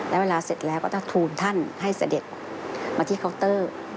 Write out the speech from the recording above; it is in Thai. และเวลาเสร็จแล้วก็ถ้าทูลท่านให้เสด็จมาที่เคาน์เตอร์